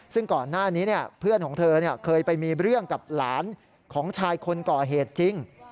ซึ่งก่อนหน้านี้เพื่อนของเธอเคยไปมีเรื่องกับหลานของชายคนก่อเหตุจริง